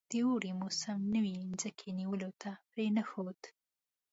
د اوړي موسم نوي مځکې نیولو ته پرې نه ښود.